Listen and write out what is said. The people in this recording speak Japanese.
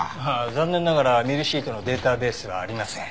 残念ながらミルシートのデータベースはありません。